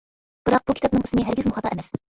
بىراق، بۇ كىتابنىڭ ئىسمى ھەرگىزمۇ خاتا ئەمەس.